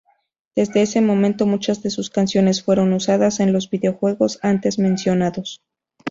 Desde ese momento, muchas de sus canciones fueron usadas en los videojuegos antes mencionados.